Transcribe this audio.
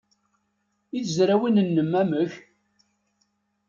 I tezrawin-nnem, amek?